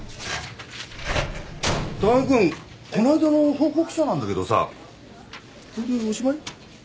高木君この間の報告書なんだけどさこれでおしまい？